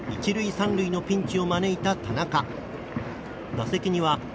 １塁３塁のピンチを招いた田中。